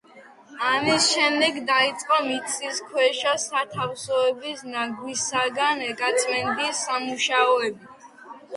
ამის შემდეგ დაიწყო მიწისქვეშა სათავსოების ნაგვისაგან გაწმენდის სამუშაოები.